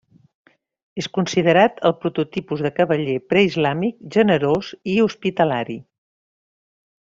És considerat el prototipus del cavaller preislàmic, generós i hospitalari.